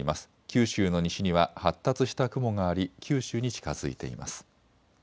九州の西には発達した雲があり九州に近づいています。